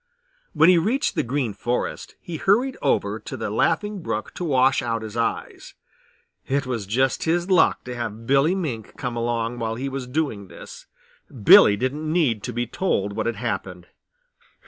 When he reached the Green Forest he hurried over to the Laughing Brook to wash out his eyes. It was just his luck to have Billy Mink come along while he was doing this. Billy didn't need to be told what had happened.